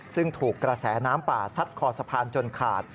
ซึ่งถูกกระแสน้ำป่าซัดคอสะพานจนขาด